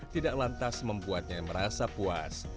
tidak lantas membuatnya merasa puas